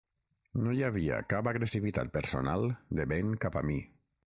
No hi havia cap agressivitat personal de Ben cap a mi.